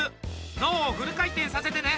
脳をフル回転させてね！